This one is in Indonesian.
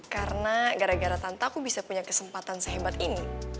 karena gara gara tante aku bisa punya kesempatan sehebat ini